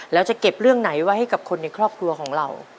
แล้วจะเก็บเรื่องไหนไว้ให้กับคนในครอบครัวของเรา